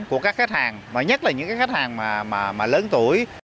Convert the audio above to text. của các khách hàng và nhất là những cái khách hàng mà lớn tuổi